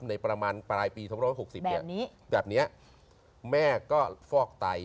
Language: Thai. ในประมาณปลายปี๑๙๖๐เนี่ยแบบนี้แบบนี้แม่ก็ฟอกไต